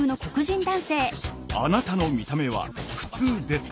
あなたの見た目は「ふつう」ですか？